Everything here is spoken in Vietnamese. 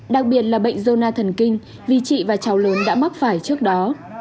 đặc biệt là bệnh zona thần kinh vì chị và cháu lớn đã mắc phải trước đó